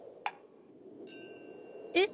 えっ？